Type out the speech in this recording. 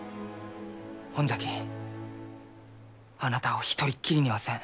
ほんじゃきあなたを一人っきりにはせん。